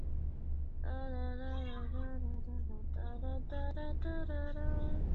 在历史上它属于乌普兰。